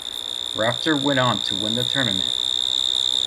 Rafter went on to win the tournament.